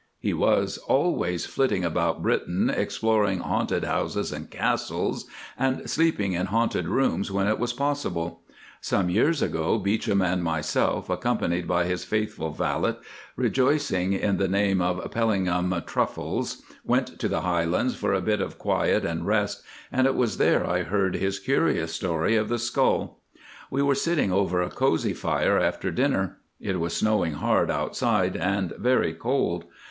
He was always flitting about Britain exploring haunted houses and castles, and sleeping in haunted rooms when it was possible. Some years ago Beauchamp and myself, accompanied by his faithful valet, rejoicing in the name of Pellingham Truffles, went to the Highlands for a bit of quiet and rest, and it was there I heard his curious story of the skull. We were sitting over a cosy fire after dinner. It was snowing hard outside, and very cold.